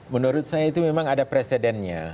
menurut saya itu memang ada presidennya